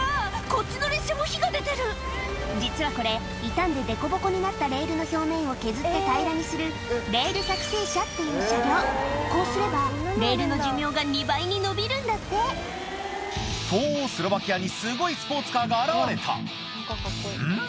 こっちの列車も火が出てる実はこれ傷んででこぼこになったレールの表面を削って平らにするこうすればレールの寿命が２倍に延びるんだって東欧スロバキアにすごいスポーツカーが現れたん？